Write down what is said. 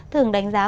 thường đánh giá